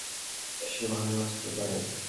সে ভালো নাচতে পারে।